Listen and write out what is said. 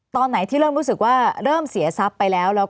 ตอนไหนที่เริ่มรู้สึกว่าเริ่มเสียทรัพย์ไปแล้ว